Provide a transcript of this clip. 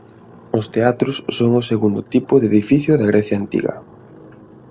Os teatros son o segundo tipo de edificio da Grecia antiga.